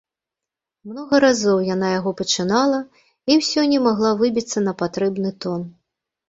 Многа разоў яна яго пачынала і ўсё не магла выбіцца на патрэбны тон.